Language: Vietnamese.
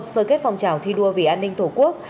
sơ kết phòng trào thi đua vì an ninh tổ quốc